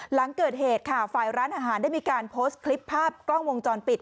หลังเกิดเหตุค่ะฝ่ายร้านอาหารได้มีการโพสต์คลิปภาพกล้องวงจรปิด